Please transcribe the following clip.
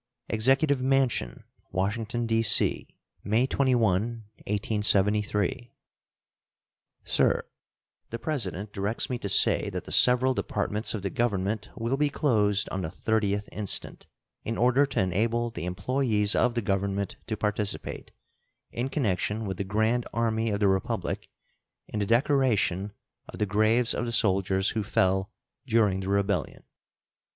EXECUTIVE MANSION, Washington, D.C., May 21, 1873. SIR: The President directs me to say that the several Departments of the Government will be closed on the 30th instant, in order to enable the employees of the Government to participate, in connection with the Grand Army of the Republic, in the decoration of the graves of the soldiers who fell during the rebellion.